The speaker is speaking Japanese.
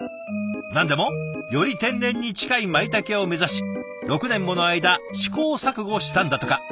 何でもより天然に近いまいたけを目指し６年もの間試行錯誤したんだとか。